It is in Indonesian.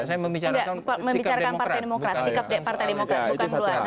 saya membicarakan sikap demokrat